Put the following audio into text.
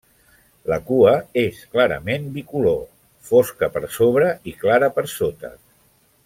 La cua és clarament bicolor, fosca per sobre i clara per sota.